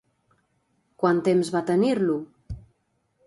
Quant temps va tenir-lo?